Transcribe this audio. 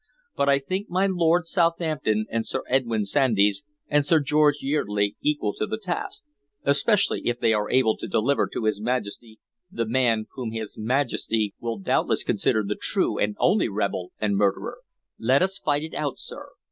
But I think my Lord Southampton and Sir Edwyn Sandys and Sir George Yeardley equal to the task, especially if they are able to deliver to his Majesty the man whom his Majesty will doubtless consider the true and only rebel and murderer. Let us fight it out, sir.